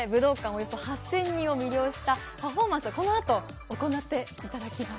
およそ８０００人を魅了したパフォーマンスを発表していただきます。